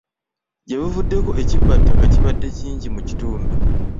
Ggye buvuddeko ekibbattaka kibadde kingi mu kitundu.